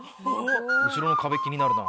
後ろの壁気になるな。